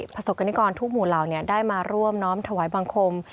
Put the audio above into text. ประสบกรณิกรทุกหมู่เหล่าได้มาร่วมน้อมถวายบังคม